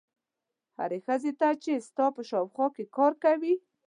هرې ښځې ته چې ستا په شاوخوا کې کار کوي.